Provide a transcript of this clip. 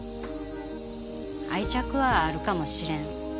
愛着はあるかもしれん。